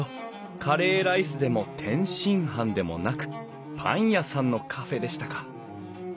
カレーライスでも天津飯でもなくパン屋さんのカフェでしたか。